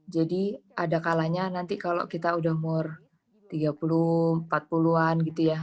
jadi ada kalanya nanti kalau kita udah umur tiga puluh empat puluh an gitu ya